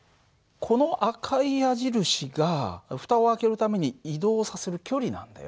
この赤い矢印が蓋を開けるために移動させる距離なんだよね。